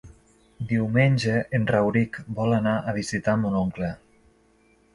Diumenge en Rauric vol anar a visitar mon oncle.